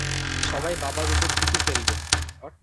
সবাই বাবার উপর থু থু ফেলবে!